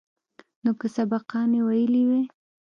نو که سبقان يې ويلي واى.